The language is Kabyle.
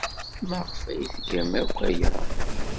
Maɣef ay tgam akk aya?